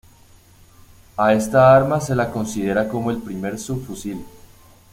A esta arma se la considera como el primer subfusil.